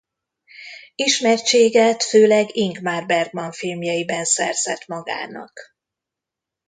Ismertséget főleg Ingmar Bergman filmjeiben szerzett magának.